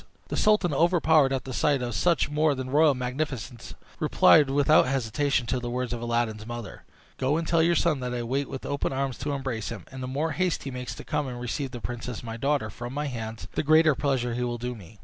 The sultan, overpowered at the sight of such more than royal magnificence, replied without hesitation to the words of Aladdin's mother: "Go and tell your son that I wait with open arms to embrace him; and the more haste he makes to come and receive the princess my daughter from my hands, the greater pleasure he will do me."